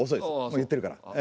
もう言ってるから。